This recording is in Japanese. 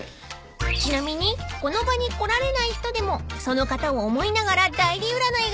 ［ちなみにこの場に来られない人でもその方を思いながら代理占いができるみたいですよ］